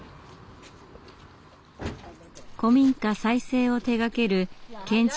古民家再生を手がける建築